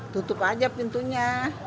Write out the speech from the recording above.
tutup saja pintunya